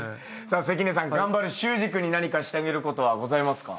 関根さん頑張る修志君に何かしてあげることはございますか？